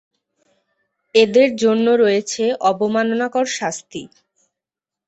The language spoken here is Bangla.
এদের জন্য রয়েছে অবমাননাকর শাস্তি।